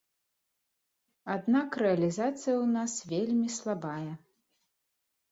Аднак рэалізацыя ў нас вельмі слабая.